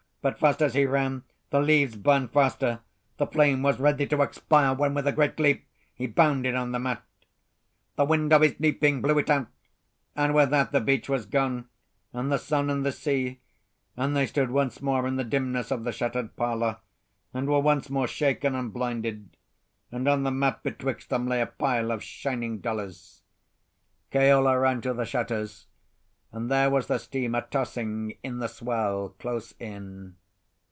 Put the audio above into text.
But fast as he ran, the leaves burned faster. The flame was ready to expire when, with a great leap, he bounded on the mat. The wind of his leaping blew it out; and with that the beach was gone, and the sun and the sea, and they stood once more in the dimness of the shuttered parlour, and were once more shaken and blinded; and on the mat betwixt them lay a pile of shining dollars. Keola ran to the shutters; and there was the steamer tossing in the swell close in.